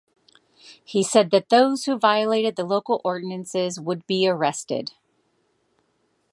He said that those who violated the local ordinances would be arrested.